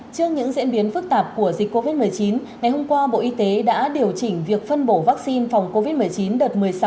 trước những diễn biến phức tạp của dịch covid một mươi chín ngày hôm qua bộ y tế đã điều chỉnh việc phân bổ vaccine phòng covid một mươi chín đợt một mươi sáu